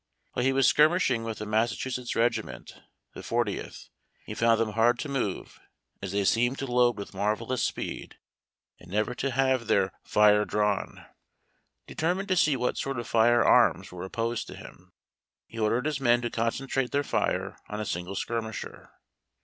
While he was skirmishing with a Massachusetts regi ment (the Fortieth), he found them hard to move, as they seemed to load with marvellous speed, and never to have their SOME INVE.XTIONS AND DEVICES OF THE WAE. 271 fire drawn. Determined to see what sort of fire arms were opposed to him, he ordered his men to concentrate their fire on a single skirmisher.